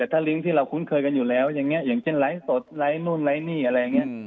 ถ้าลิงก์ที่เราคุ้นเคยกันอยู่แล้วอย่างนี้อย่างเช่นไลฟ์สดไลค์นู่นไลค์นี่อะไรอย่างนี้